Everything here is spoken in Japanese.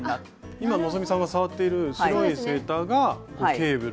今希さんが触っている白いセーターがケーブル。